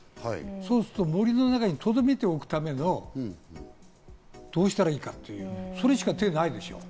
そうすると森の中にとどめておくためにどうしたらいいか、それしか手がないでしょう。